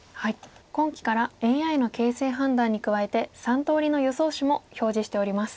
今期からＡＩの形勢判断に加えて３通りの予想手も表示しております。